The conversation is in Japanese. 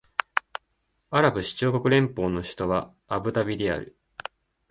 アラブ首長国連邦の首都はアブダビである